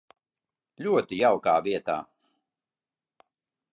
Ļoti jaukā vietā.